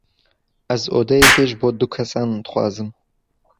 Ez odeyeke ji bo du kesan dixwazim.